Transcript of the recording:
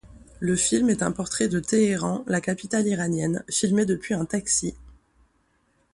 Le film est un portrait de Téhéran, la capitale iranienne, filmé depuis un taxi.